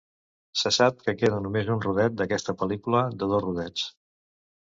Se sap que queda només un rodet d'aquesta pel·lícula de dos rodets.